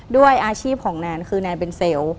ด้วยอาชีพของแนนคือแนนเป็นเซลล์